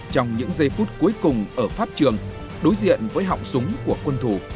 trong những giây phút cuối cùng ở pháp trường đối diện với họng súng của quân thủ